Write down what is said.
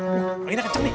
laginya kenceng nih